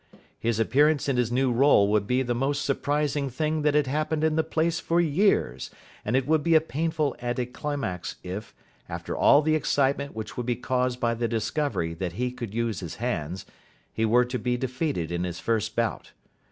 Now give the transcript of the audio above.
His appearance in his new role would be the most surprising thing that had happened in the place for years, and it would be a painful anti climax if, after all the excitement which would be caused by the discovery that he could use his hands, he were to be defeated in his first bout.